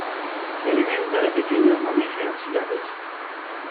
Se alimenta de pequeños mamíferos y aves.